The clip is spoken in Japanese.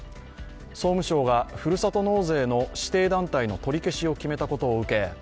総務省がふるさと納税の指定団体の取り消しを決めたことを受け